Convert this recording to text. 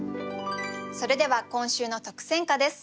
それでは今週の特選歌です。